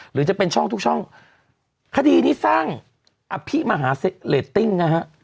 หรือจะเป็นช่องทุกช่องคดีนี้สร้างอภิมหาเรตติ้งนะฮะ